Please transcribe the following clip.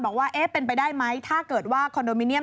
บอกว่าเป็นไปได้ไหมถ้าเกิดว่าคอนโดมิเนียม